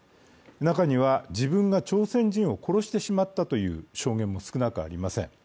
中には、自分が朝鮮人を殺してしまったという証言も少なくありません